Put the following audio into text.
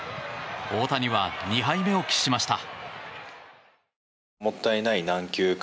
大谷は２敗目を喫しました。